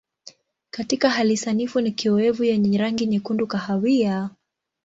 Katika hali sanifu ni kiowevu yenye rangi nyekundu kahawia.